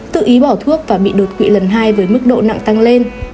tự ý bỏ thuốc và bị đột quỵ lần hai với mức độ nặng tăng lên